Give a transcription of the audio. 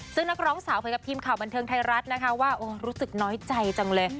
ซึ่งนักร้องสาวเผยกับทีมข่าวบันเทิงไทยรัฐนะคะว่ารู้สึกน้อยใจจังเลย